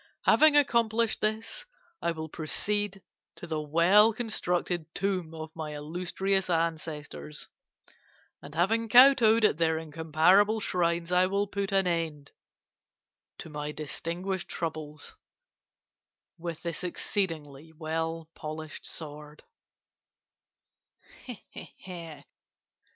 Having accomplished this, I will proceed to the well constructed tomb of my illustrious ancestors, and having kow towed at their incomparable shrines, I will put an end to my distinguished troubles with this exceedingly well polished sword.